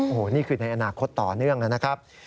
โอ้โหนี่คือในอนาคตต่อเนื่องนะครับ